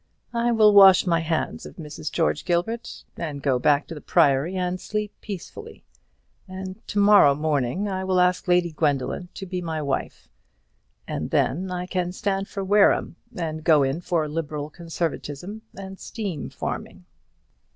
I will wash my hands of Mrs. George Gilbert, and go back to the Priory and sleep peacefully; and to morrow morning I will ask Lady Gwendoline to be my wife; and then I can stand for Wareham, and go in for liberal conservatism and steam farming."